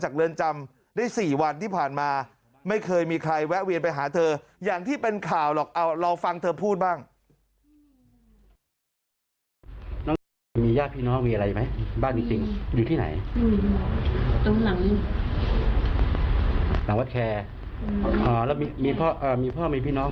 กันมาไม่เคยมีใครแวะเวียนไปหาเธออย่างที่เป็นข่าวหรอกเอาลองฟังเธอพูดบ้าง